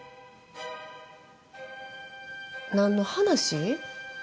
何の話？